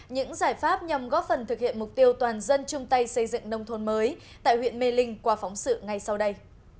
những giải pháp nhằm góp phần thực hiện mục tiêu toàn dân chung tay xây dựng nông thôn mới tại huyện mê linh qua phóng sự ngay sau đây